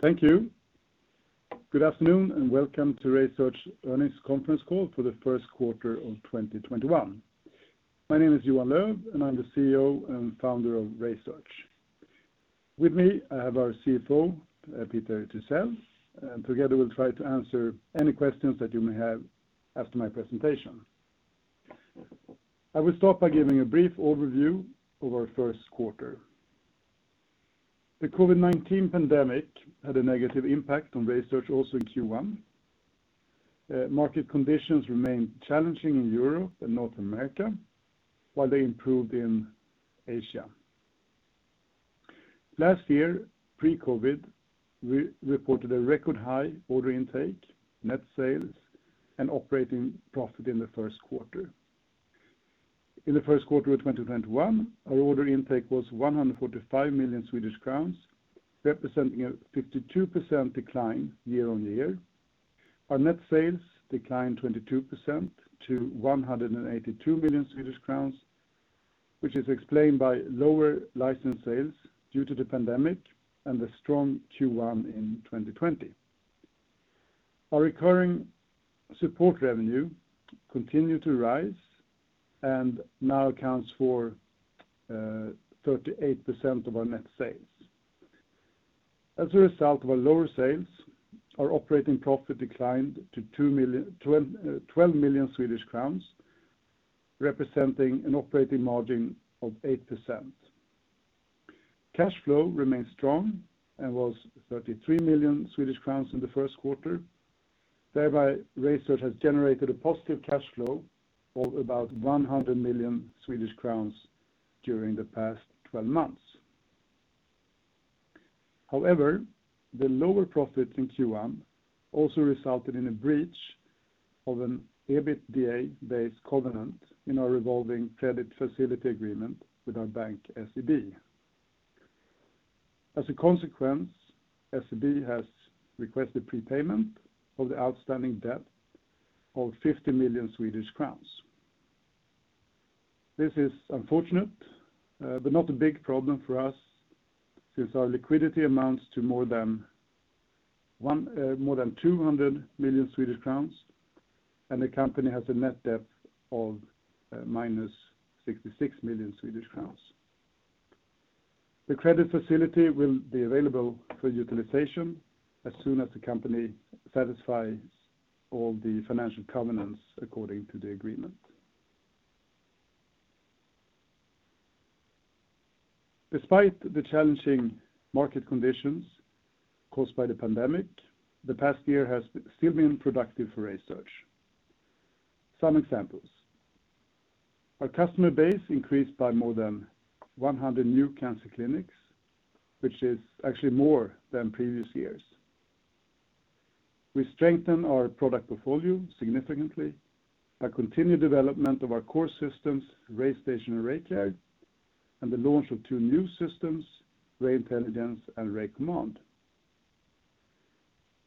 Thank you. Good afternoon, and welcome to RaySearch Earnings Conference Call for the first quarter of 2021. My name is Johan Löf, and I'm the CEO and Founder of RaySearch. With me, I have our CFO, Peter Thysell, and together we'll try to answer any questions that you may have after my presentation. I will start by giving a brief overview of our first quarter. The COVID-19 pandemic had a negative impact on RaySearch also in Q1. Market conditions remained challenging in Europe and North America, while they improved in Asia. Last year, pre-COVID, we reported a record high order intake, net sales, and operating profit in the first quarter. In the first quarter of 2021, our order intake was 145 million Swedish crowns, representing a 52% decline year-on-year. Our net sales declined 22% to 182 million Swedish crowns, which is explained by lower license sales due to the pandemic and the strong Q1 in 2020. Our recurring support revenue continued to rise and now accounts for 38% of our net sales. As a result of our lower sales, our operating profit declined to 12 million Swedish crowns, representing an operating margin of 8%. Cash flow remained strong and was 33 million Swedish crowns in the first quarter. Thereby, RaySearch has generated a positive cash flow of about 100 million Swedish crowns during the past 12 months. However, the lower profit in Q1 also resulted in a breach of an EBITDA-based covenant in our revolving credit facility agreement with our bank, SEB. As a consequence, SEB has requested prepayment of the outstanding debt of 50 million Swedish crowns. This is unfortunate, but not a big problem for us since our liquidity amounts to more than 200 million Swedish crowns and the company has a net debt of -66 million Swedish crowns. The credit facility will be available for utilization as soon as the company satisfies all the financial covenants according to the agreement. Despite the challenging market conditions caused by the pandemic, the past year has still been productive for RaySearch. Some examples. Our customer base increased by more than 100 new cancer clinics, which is actually more than previous years. We strengthened our product portfolio significantly by continued development of our core systems, RayStation and RayCare, and the launch of two new systems, RayIntelligence and RayCommand.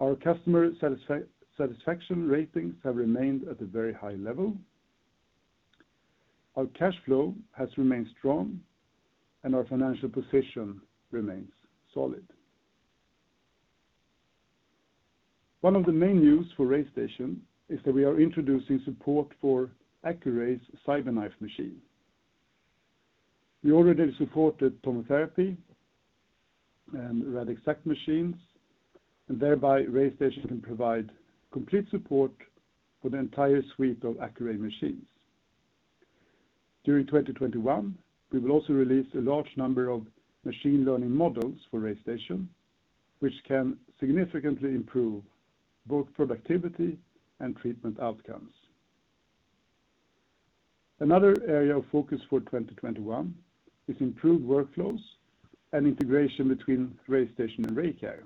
Our customer satisfaction ratings have remained at a very high level. Our cash flow has remained strong, and our financial position remains solid. One of the main news for RayStation is that we are introducing support for Accuray's CyberKnife machine. We already supported TomoTherapy and Radixact machines, and thereby RayStation can provide complete support for the entire suite of Accuray machines. During 2021, we will also release a large number of machine learning models for RayStation, which can significantly improve both productivity and treatment outcomes. Another area of focus for 2021 is improved workflows and integration between RayStation and RayCare.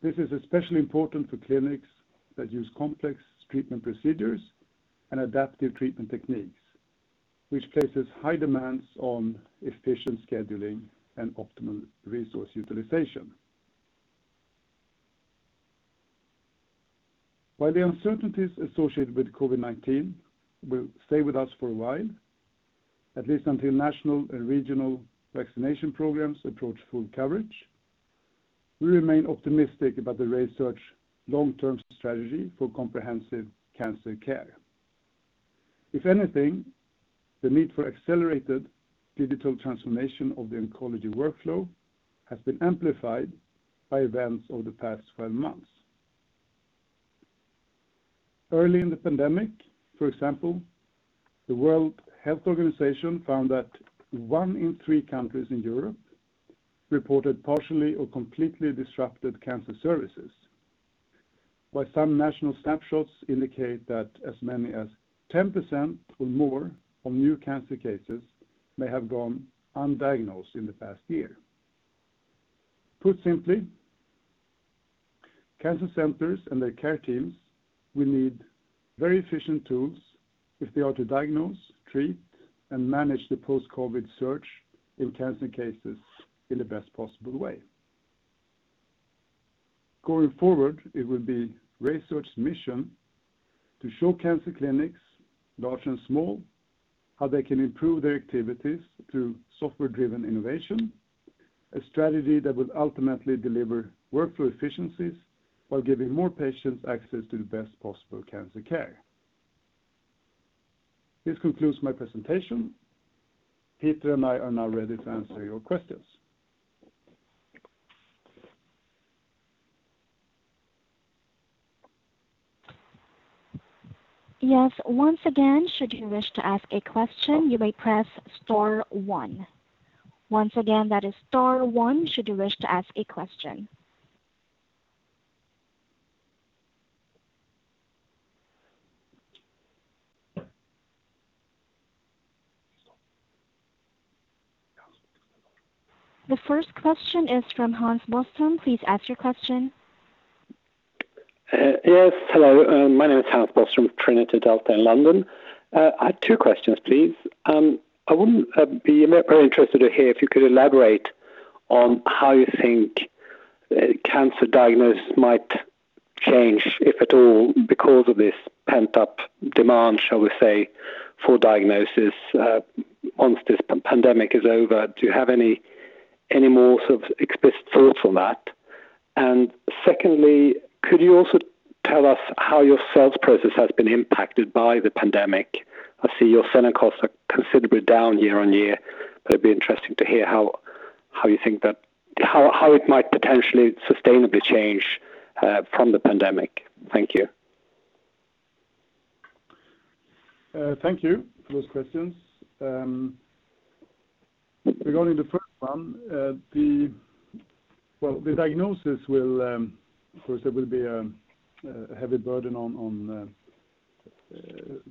This is especially important for clinics that use complex treatment procedures and adaptive treatment techniques, which places high demands on efficient scheduling and optimal resource utilization. While the uncertainties associated with COVID-19 will stay with us for a while, at least until national and regional vaccination programs approach full coverage, we remain optimistic about the RaySearch long-term strategy for comprehensive cancer care. If anything, the need for accelerated digital transformation of the oncology workflow has been amplified by events of the past 12 months. Early in the pandemic, for example, the World Health Organization found that one in three countries in Europe reported partially or completely disrupted cancer services, while some national snapshots indicate that as many as 10% or more of new cancer cases may have gone undiagnosed in the past year. Put simply, cancer centers and their care teams will need very efficient tools if they are to diagnose, treat, and manage the post-COVID search in cancer cases in the best possible way. Going forward, it will be RaySearch's mission to show cancer clinics, large and small, how they can improve their activities through software-driven innovation, a strategy that will ultimately deliver workflow efficiencies while giving more patients access to the best possible cancer care. This concludes my presentation. Peter and I are now ready to answer your questions. Yes. Once again, should you wish to ask a question, you may press star one. Once again, that is star one should you wish to ask a question. The first question is from Hans Boström. Please ask your question. Yes. Hello. My name is Hans Boström with Trinity Delta in London. I have two questions, please. I would be very interested to hear if you could elaborate on how you think cancer diagnosis might change, if at all, because of this pent-up demand, shall we say, for diagnosis once this pandemic is over. Do you have any more explicit thoughts on that? Secondly, could you also tell us how your sales process has been impacted by the pandemic? I see your selling costs are considerably down year-on-year, but it would be interesting to hear how it might potentially sustainably change from the pandemic? Thank you. Thank you for those questions. Regarding the first one, of course, there will be a heavy burden on,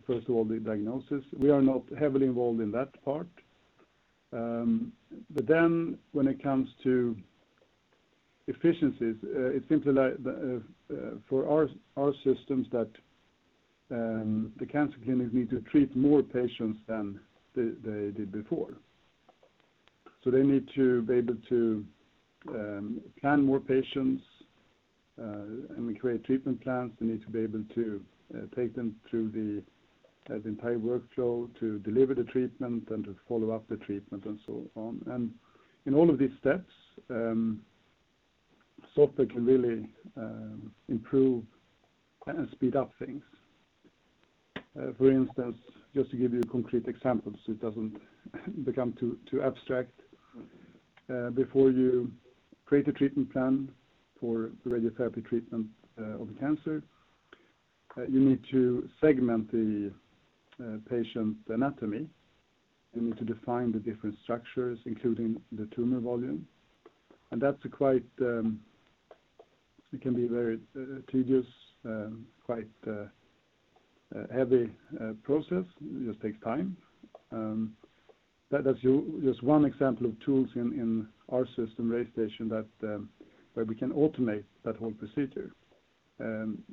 first of all, the diagnosis. We are not heavily involved in that part. When it comes to efficiencies, it seems like for our systems that the cancer clinics need to treat more patients than they did before. They need to be able to plan more patients and create treatment plans. They need to be able to take them through the entire workflow to deliver the treatment and to follow up the treatment and so on. In all of these steps, software can really improve and speed up things. For instance, just to give you concrete examples so it doesn't become too abstract. Before you create a treatment plan for the radiotherapy treatment of the cancer, you need to segment the patient's anatomy. You need to define the different structures, including the tumor volume. It can be very tedious, quite a heavy process. It just takes time. That is just one example of tools in our system, RayStation, where we can automate that whole procedure.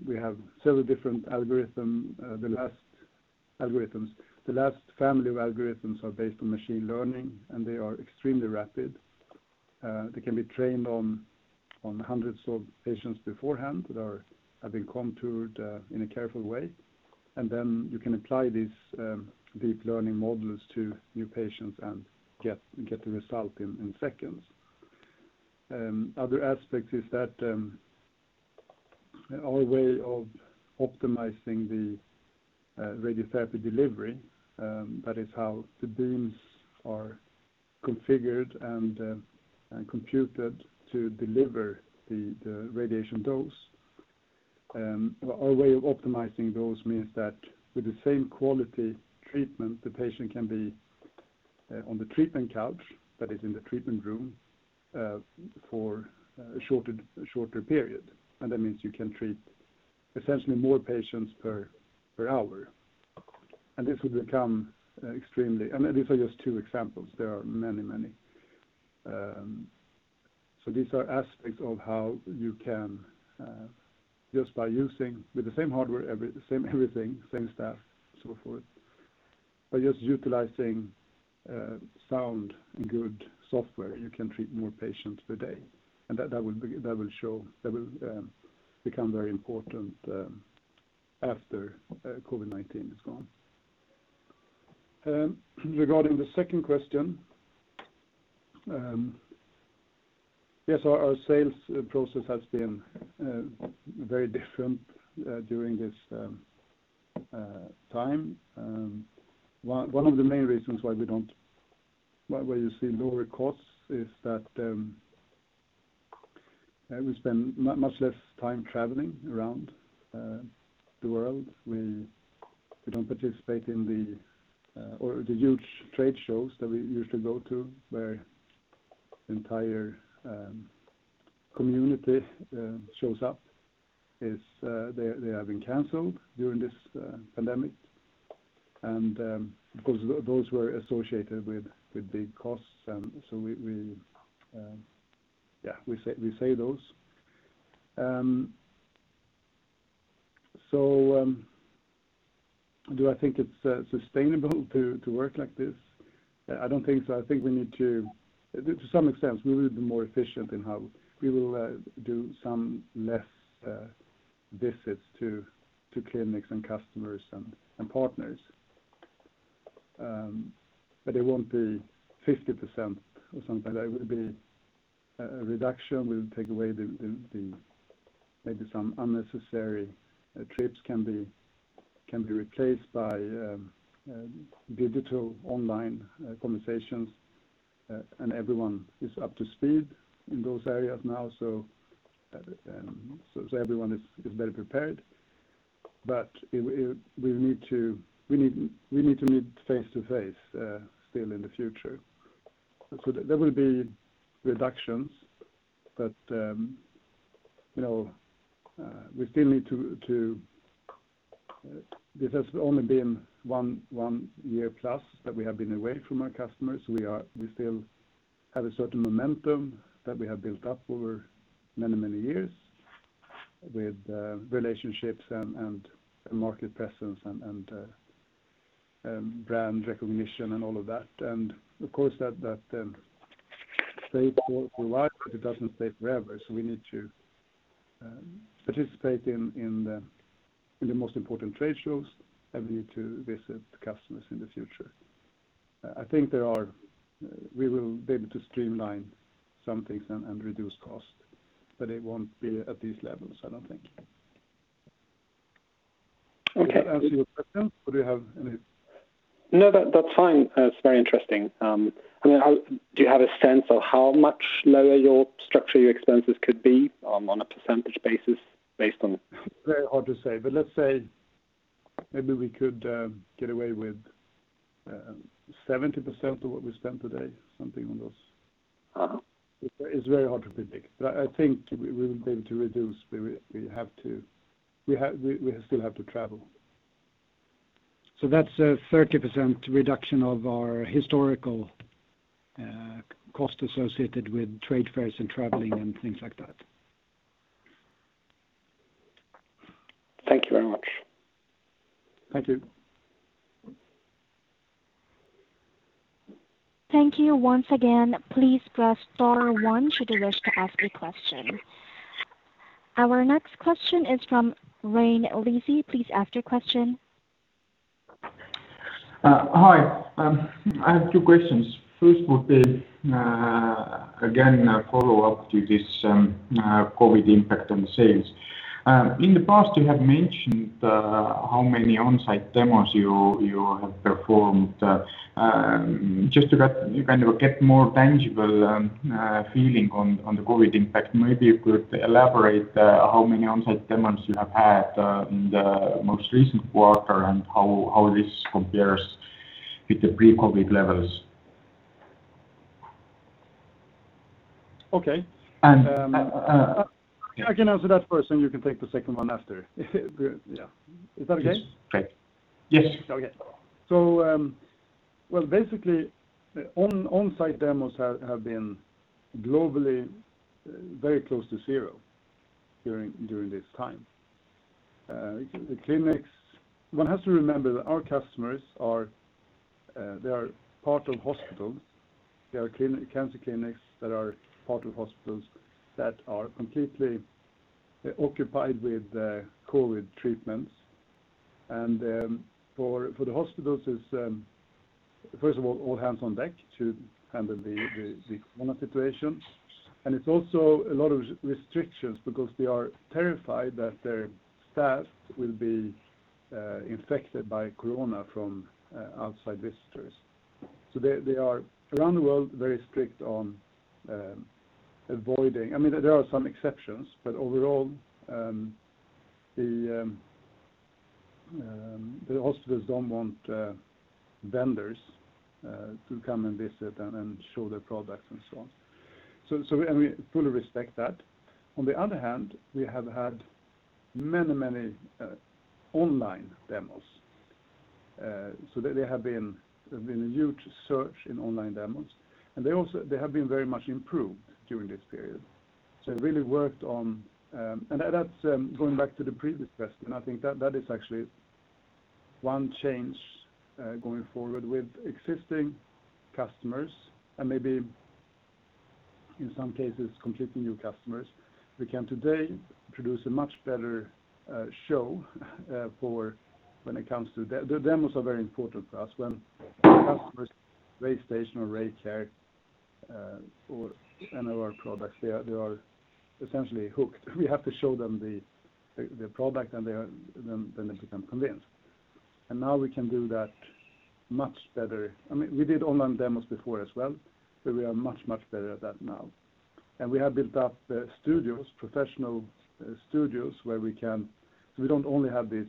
We have several different algorithms. The last family of algorithms are based on machine learning, and they are extremely rapid. They can be trained on hundreds of patients beforehand that have been contoured in a careful way. Then you can apply these deep learning models to new patients and get the result in seconds. Other aspects is that our way of optimizing the radiotherapy delivery, that is how the beams are configured and computed to deliver the radiation dose. Our way of optimizing those means that with the same quality treatment, the patient can be on the treatment couch, that is in the treatment room, for a shorter period. That means you can treat essentially more patients per hour. These are just two examples. There are many, many. These are aspects of how you can, with the same hardware, same everything, same staff, so forth. By just utilizing sound and good software, you can treat more patients per day. That will become very important after COVID-19 is gone. Regarding the second question, yes, our sales process has been very different during this time. One of the main reasons why you see lower costs is that we spend much less time traveling around the world. We don't participate in the huge trade shows that we used to go to where entire community shows up. They have been canceled during this pandemic. Because those were associated with big costs, we save those. Do I think it's sustainable to work like this? I don't think so. I think to some extent, we will be more efficient in how we will do some less visits to clinics and customers and partners. It won't be 50% or something. There will be a reduction. Maybe some unnecessary trips can be replaced by digital online conversations. Everyone is up to speed in those areas now, everyone is better prepared. We need to meet face-to-face still in the future. There will be reductions, this has only been one year plus that we have been away from our customers. We still have a certain momentum that we have built up over many, many years with relationships and market presence and brand recognition and all of that. Of course, that stays for life, but it doesn't stay forever. We need to participate in the most important trade shows, and we need to visit the customers in the future. I think we will be able to streamline some things and reduce costs, but it won't be at these levels, I don't think. Okay. Does that answer your question? No, that's fine. It's very interesting. Do you have a sense of how much lower your structure, your expenses could be on a percentage basis? Very hard to say, but let's say maybe we could get away with 70% of what we spend today, something on those. Oh. It's very hard to predict. I think we will be able to reduce. We still have to travel. That's a 30% reduction of our historical cost associated with trade fairs and traveling and things like that. Thank you very much. Thank you. Thank you once again. Please press star one should you wish to ask a question. Our next question is from Rain Olesi. Please ask your question. Hi. I have two questions. First would be, again, a follow-up to this COVID impact on sales. In the past, you have mentioned how many on-site demos you have performed. Just to get more tangible feeling on the COVID impact, maybe you could elaborate how many on-site demos you have had in the most recent quarter, and how this compares with the pre-COVID levels. Okay. And- I can answer that first, and you can take the second one after. Good, yeah. Is that okay? On-site demos have been globally very close to zero during this time. One has to remember that our customers are part of hospitals. There are cancer clinics that are part of hospitals that are completely occupied with COVID-19 treatments. For the hospitals, it's, first of all hands on deck to handle the COVID-19 situation. It's also a lot of restrictions because they are terrified that their staff will be infected by COVID-19 from outside visitors. They are, around the world, very strict. There are some exceptions, but overall, the hospitals don't want vendors to come and visit and show their products and so on. We fully respect that. On the other hand, we have had many online demos. There have been a huge surge in online demos, and they have been very much improved during this period. They really worked on. That's going back to the previous question. I think that is actually one change, going forward with existing customers and maybe in some cases, completely new customers. We can today produce a much better show for when it comes to. The demos are very important to us. When customers, RayStation or RayCare, or any of our products, they are essentially hooked. We have to show them the product, and then they become convinced. Now we can do that much better. We did online demos before as well, but we are much, much better at that now. We have built up professional studios where we don't only have this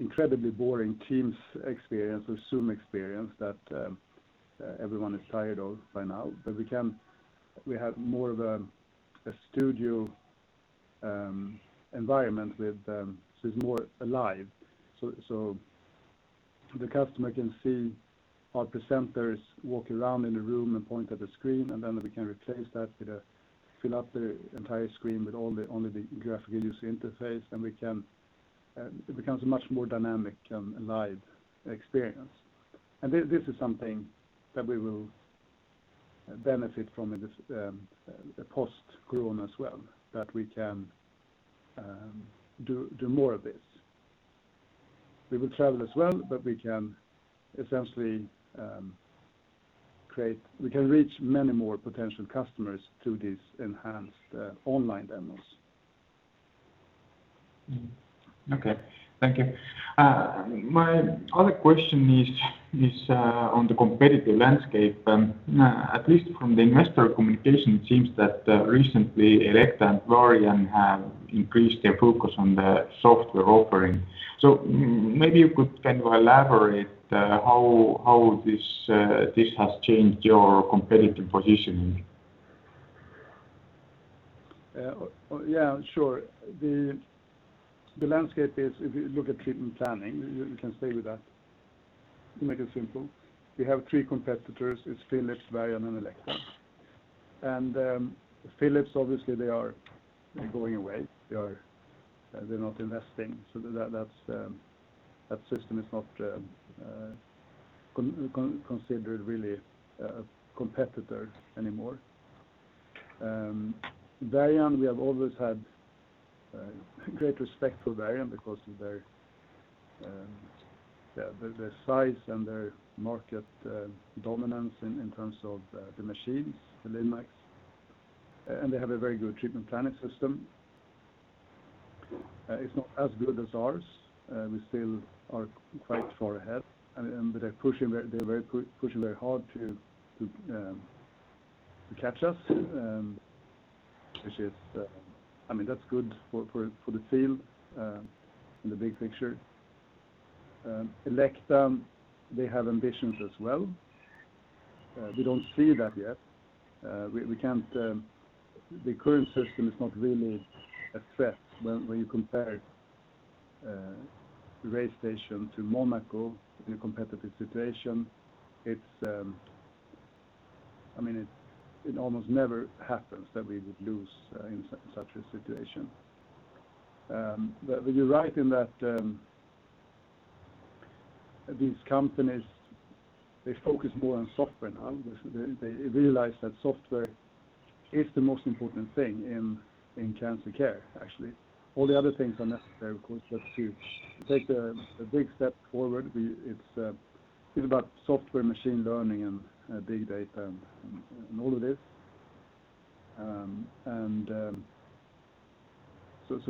incredibly boring Teams experience or Zoom experience that everyone is tired of by now. We have more of a studio environment which is more alive. The customer can see our presenters walk around in the room and point at the screen, and then we can replace that to fill up the entire screen with only the graphical user interface. It becomes a much more dynamic and live experience. This is something that we will benefit from in the post-corona as well, that we can do more of this. We will travel as well. We can reach many more potential customers through these enhanced online demos. Okay. Thank you. My other question is on the competitive landscape. At least from the investor communication, it seems that recently Elekta and Varian have increased their focus on the software offering. Maybe you could elaborate how this has changed your competitive positioning? Yeah, sure. The landscape is, if you look at treatment planning, we can stay with that, make it simple. We have three competitors, it's Philips, Varian, and Elekta. Philips, obviously, they are going away. They're not investing. That system is not considered really a competitor anymore. Varian, we have always had great respect for Varian because of their size and their market dominance in terms of the machines, the linacs. They have a very good treatment planning system. It's not as good as ours. We still are quite far ahead, but they're pushing very hard to catch us, which is good for the field in the big picture. Elekta, they have ambitions as well. We don't see that yet. The current system is not really a threat when you compare RayStation to Monaco in a competitive situation. It almost never happens that we would lose in such a situation. You're right in that these companies, they focus more on software now. They realize that software is the most important thing in cancer care, actually. All the other things are necessary, of course, but to take a big step forward, it's about software, machine learning, and big data, and all of this.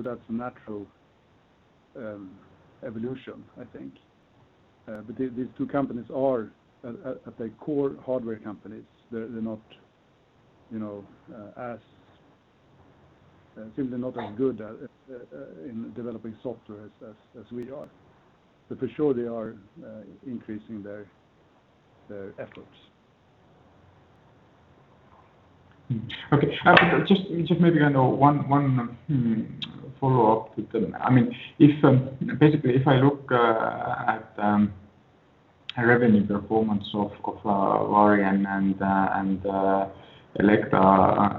That's a natural evolution, I think. These two companies are, at their core, hardware companies. They're simply not as good in developing software as we are. For sure, they are increasing their efforts. Okay. Just maybe one follow-up with them. Basically, if I look at revenue performance of Varian and Elekta,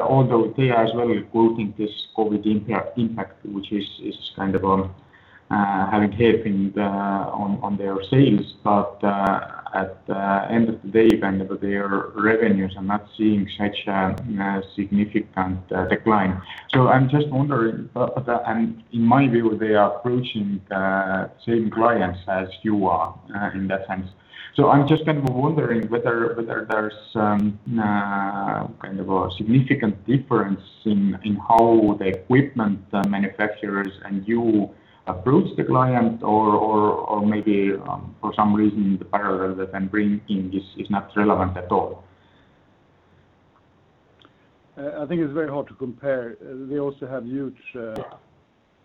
although they are as well quoting this COVID impact, which is having hit on their sales. At the end of the day, their revenues, I'm not seeing such a significant decline. I'm just wondering, and in my view, they are approaching the same clients as you are in that sense. I'm just wondering whether there's a significant difference in how the equipment manufacturers and you approach the client or, maybe for some reason, the parallel that I'm bringing is not relevant at all? I think it's very hard to compare. They also have huge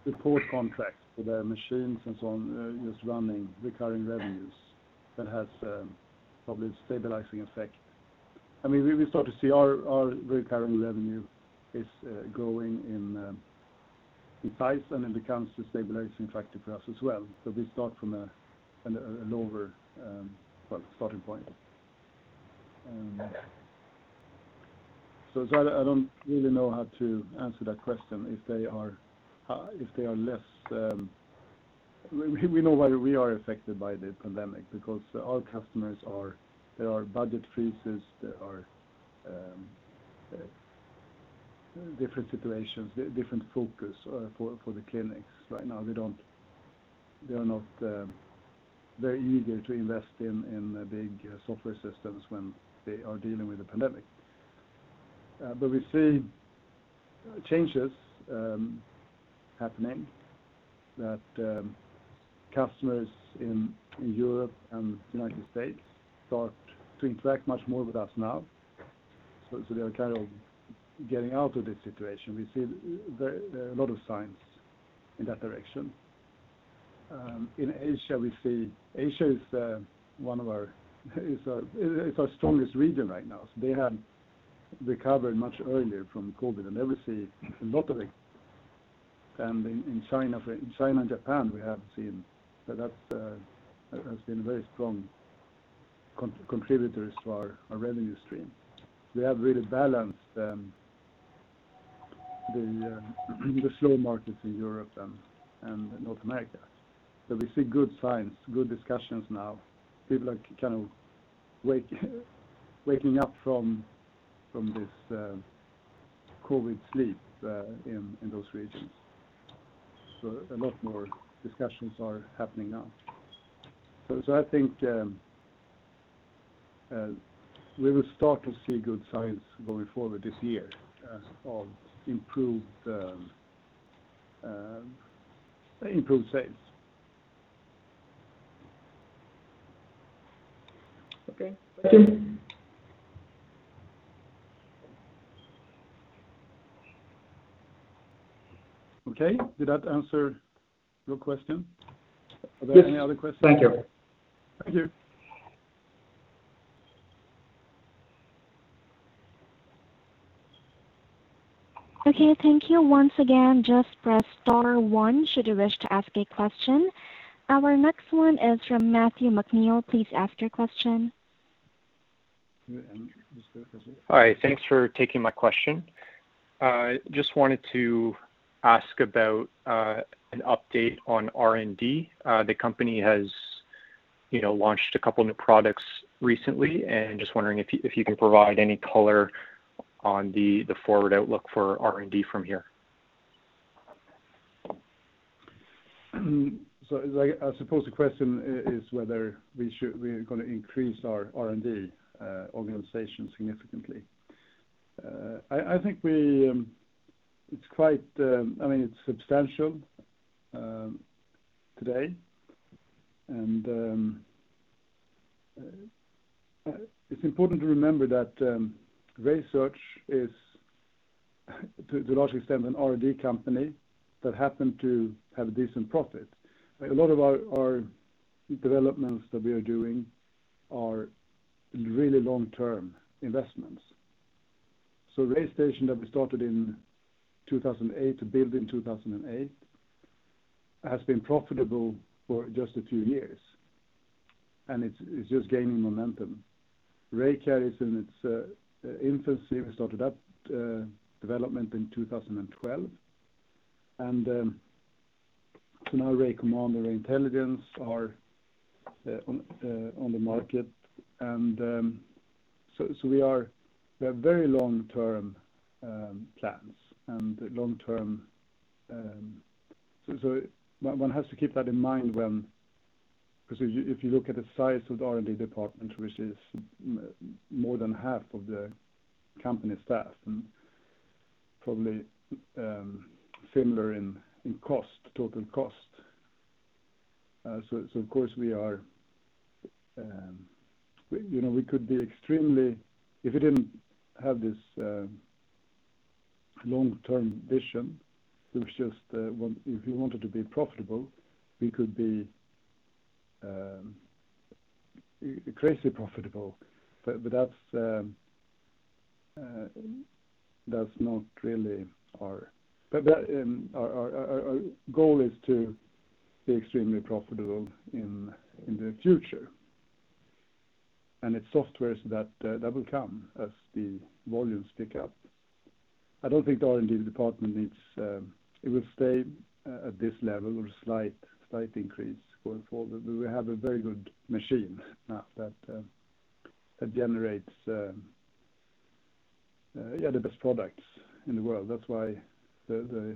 support contracts for their machines and so on, just running recurring revenues. That has probably a stabilizing effect. We start to see our recurring revenue is growing in size, and it becomes a stabilizing factor for us as well. We start from a lower starting point. Okay. I don't really know how to answer that question, if they are less. We know why we are affected by the pandemic, because our customers are, there are budget freezes, there are different situations, different focus for the clinics right now. They're eager to invest in big software systems when they are dealing with a pandemic. We see changes happening that customers in Europe and United States start to interact much more with us now. They're getting out of this situation. We see there are a lot of signs in that direction. In Asia, we see, Asia is our strongest region right now. They recovered much earlier from COVID than we see a lot of it. In China and Japan, we have seen that has been very strong contributors to our revenue stream. We have really balanced the slow markets in Europe and North America. We see good signs, good discussions now. People are kind of waking up from this COVID sleep in those regions. A lot more discussions are happening now. I think we will start to see good signs going forward this year of improved sales. Okay. Thank you. Okay. Did that answer your question? Are there any other questions? Thank you. Thank you. Okay, thank you once again. Just press star one should you wish to ask a question. Our next one is from Matthew McNeil. Please ask your question. Yeah, just go for it. Hi, thanks for taking my question. Just wanted to ask about an update on R&D. The company has launched a couple new products recently, and just wondering if you can provide any color on the forward outlook for R&D from here? I suppose the question is whether we are going to increase our R&D organization significantly. I think it's substantial today. It's important to remember that RaySearch is, to a large extent, an R&D company that happened to have a decent profit. A lot of our developments that we are doing are really long-term investments. RayStation that we started in 2008, to build in 2008, has been profitable for just a few years, and it's just gaining momentum. RayCare is in its infancy. We started up development in 2012. Now RayCommand and RayIntelligence are on the market. We have very long-term plans. One has to keep that in mind because if you look at the size of the R&D department, which is more than half of the company staff, and probably similar in total cost. Of course, if we didn't have this long-term vision, if we wanted to be profitable, we could be crazy profitable. Our goal is to be extremely profitable in the future. It's softwares that will come as the volumes pick up. I don't think the R&D department needs. It will stay at this level with a slight increase going forward. We have a very good machine now that generates the best products in the world. That's why the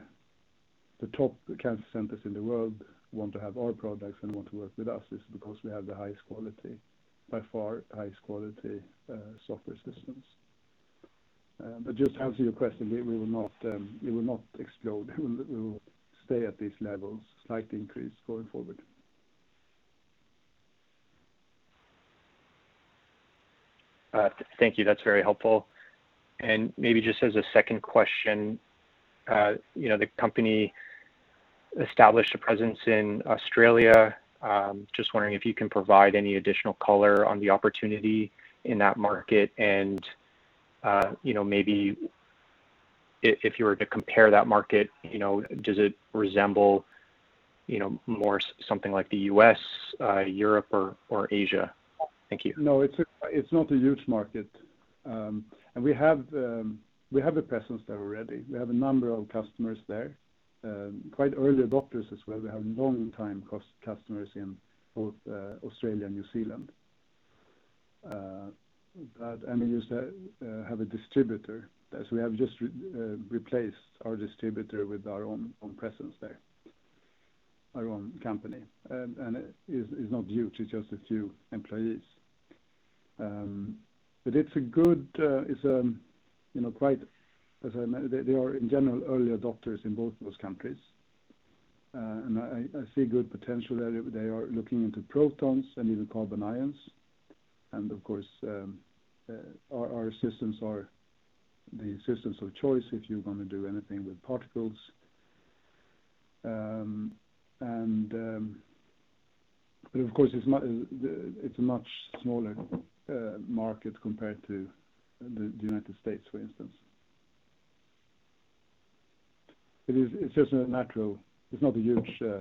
top cancer centers in the world want to have our products and want to work with us is because we have the highest quality, by far, highest quality software systems. Just to answer your question, it will not explode. It will stay at these levels, slight increase going forward. Thank you. That's very helpful. Maybe just as a second question, the company established a presence in Australia. Just wondering if you can provide any additional color on the opportunity in that market and maybe if you were to compare that market, does it resemble more something like the U.S., Europe or Asia? Thank you. No, it's not a huge market. We have a presence there already. We have a number of customers there, quite early adopters as well. We have long-time customers in both Australia and New Zealand. We used to have a distributor there, so we have just replaced our distributor with our own presence there, our own company. It is not huge. It's just a few employees. They are, in general, early adopters in both those countries. I see good potential there. They are looking into protons and even carbon ions. Of course, our systems are the systems of choice if you're going to do anything with particles. Of course, it's a much smaller market compared to the U.S., for instance. It's not a huge thing.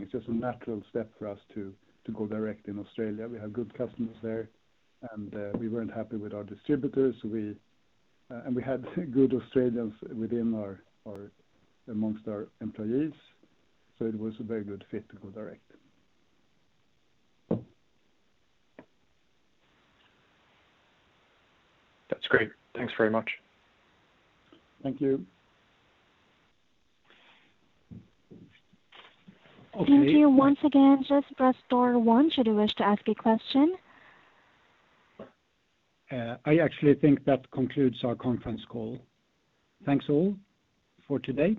It's just a natural step for us to go direct in Australia. We have good customers there, and we weren't happy with our distributors. We had good Australians amongst our employees, so it was a very good fit to go direct. That's great. Thanks very much. Thank you. Okay. Thank you once again. Just press star one should you wish to ask a question. I actually think that concludes our conference call. Thanks all for today.